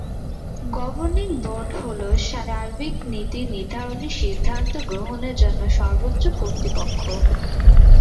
Governing board হল সার্বিক নীতি নির্ধারণী সিদ্ধান্ত গ্রহণের জন্য সর্বোচ্চ কর্তৃপক্ষ।